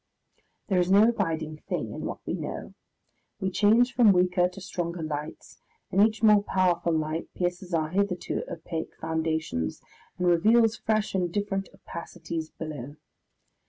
There is no abiding thing in what we know. We change from weaker to stronger lights, and each more powerful light pierces our hitherto opaque foundations and reveals fresh and different opacities below.